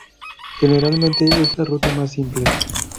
Generalmente es la ruta más simple.